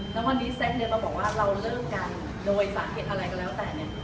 แล้ววันนี้แซ็กเนี่ยมาบอกว่าเราเลิกกันโดยสาเหตุอะไรก็แล้วแต่เนี่ย